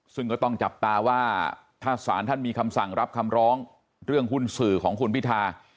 ซึ่งก็ต้องจับตาว่าถ้าศาลท่านมีคำสั่งรับคำร้องเรื่องหุ้นสื่อของคุณพิธา